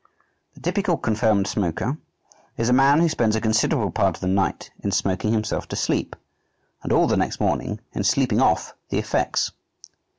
The typical confirmed smoker is a man who spends a considerable part of the night in smoking himself to sleep, and all the next morning in sleeping off the effects.